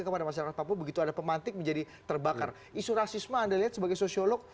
kepada masyarakat papua begitu ada pemantik menjadi terbakar isu rasisme anda lihat sebagai sosiolog